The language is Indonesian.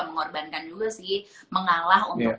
mengorbankan juga sih mengalah untuk